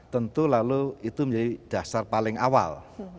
tentu lalu itu menjadi dasar paling awal